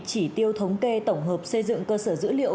chỉ tiêu thống kê tổng hợp xây dựng cơ sở dữ liệu